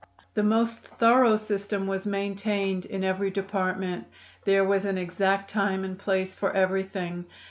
"The most thorough system was maintained in every department. There was an exact time and place for everything.